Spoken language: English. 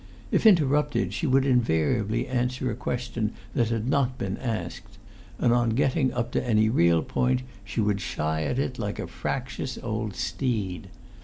If interrupted, she would invariably answer a question that had not been asked, and on getting up to any real point she would shy at it like a fractious old steed.